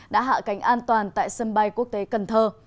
đã hạ cánh an toàn tại sân bay quốc tế cần thơ